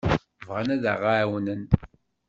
Bɣan ad d-εawnen.